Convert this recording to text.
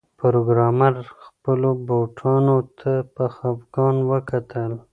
پروګرامر خپلو بوټانو ته په خفګان وکتل